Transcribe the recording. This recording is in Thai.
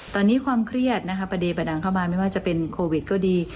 ตอนนี้ความเครียดนะคะประเดประดังเข้ามาไม่ว่าจะเป็นโควิดก็ดี